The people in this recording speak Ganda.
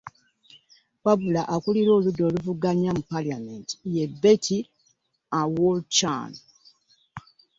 Wabula akulira oludda oluvuganya mu palamenti, ye Betty Aol Achan